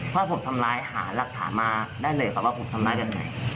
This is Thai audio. ถ้าผมทำร้ายหาหลักฐานมาได้เลยครับว่าผมทำร้ายแบบไหน